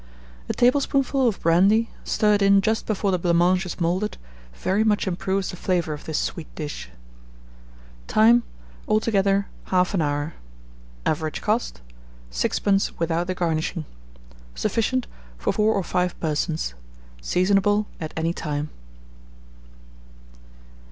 A tablespoonful of brandy, stirred in just before the blanc mange is moulded, very much improves the flavour of this sweet dish. Time. Altogether, 1/2 hour. Average cost, 6d. without the garnishing. Sufficient for 4 or 5 persons. Seasonable at any time.